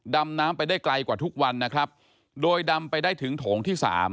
ดำน้ำไปได้ไกลกว่าทุกวันนะครับโดยดำไปได้ถึงโถงที่สาม